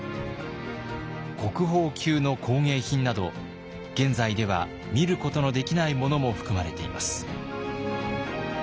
国宝級の工芸品など現在では見ることのできないものも含まれています。